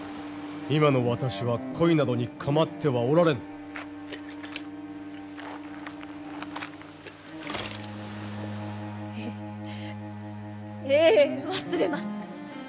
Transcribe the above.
今の私は恋などに構ってはおられぬ！ええええ忘れます！